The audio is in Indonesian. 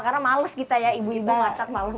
karena males kita ya ibu ibu masak malem